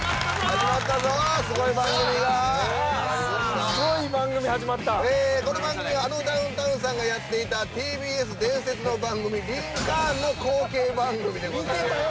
始まったぞすごい番組がすごい番組始まったこの番組はあのダウンタウンさんがやっていたＴＢＳ伝説の番組リンカーンの後継番組でございます見てたよ！